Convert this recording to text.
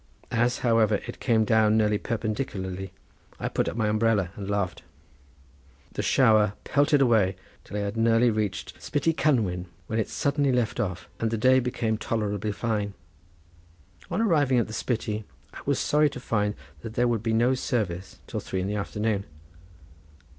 As, however, it came down nearly perpendicularly, I put up my umbrella and laughed. The shower pelted away till I had nearly reached Spytty Cynwyl, when it suddenly left off, and the day became tolerably fine. On arriving at the Spytty I was sorry to find that there would be no service till three in the afternoon.